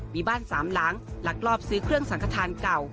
มีบ้านสามหลังลักลอบซื้อเครื่องสังขทานเก่า